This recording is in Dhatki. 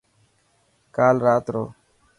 ڪال رات رو.